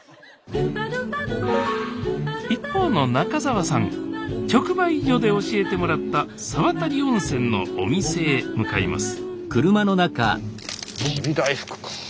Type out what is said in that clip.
一方の中澤さん直売所で教えてもらった沢渡温泉のお店へ向かいます